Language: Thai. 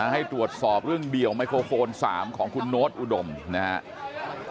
ให้ตรวจสอบเรื่องเดี่ยวไมโครโฟน๓ของคุณโน๊ตอุดมนะครับ